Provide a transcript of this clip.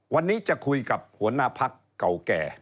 วันนี้จะคุยกับหัวหน้าพักเก่าแก่